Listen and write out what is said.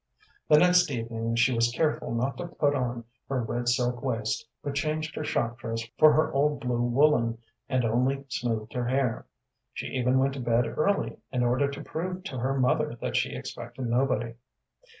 The next evening she was careful not to put on her red silk waist, but changed her shop dress for her old blue woollen, and only smoothed her hair. She even went to bed early in order to prove to her mother that she expected nobody.